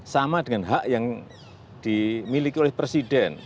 sama dengan hak yang dimiliki oleh presiden